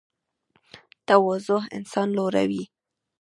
تواضع انسان لوړوي